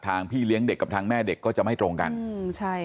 พี่เลี้ยงเด็กกับทางแม่เด็กก็จะไม่ตรงกันอืมใช่